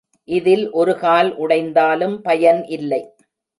இதில் ஒருகால் உடைந்தாலும் பயன் இல்லை.